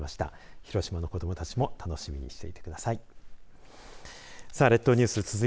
広島の子どもたちも楽しみにしていてください。